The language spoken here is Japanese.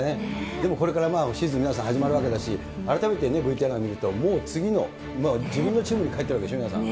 でもこれからシーズン、皆さん始まるわけだし、改めてＶＴＲなんか見ると、もう次の、自分のチームに帰ってるわけでしょ、皆さん。